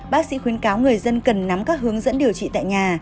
bác sĩ khuyến cáo người dân cần nắm các hướng dẫn điều trị tại nhà